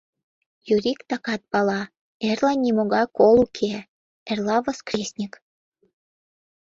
Юрик такат пала, эрла «нимогай кол уке», эрла — воскресник.